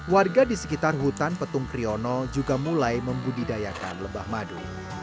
warga di sekitar hutan petung kriono juga mulai membudidayakan lebah madu